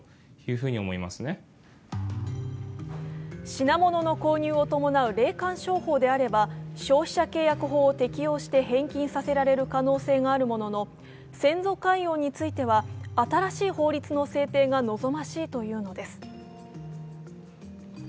品物の購入を伴う霊感商法であれば消費者契約法を適用して返金させられる可能性があるものの先祖解怨については新しい法律の制定が望ましいというのです。